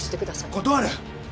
断る！